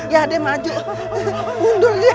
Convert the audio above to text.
ya deh maju